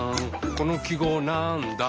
この記号なんだ？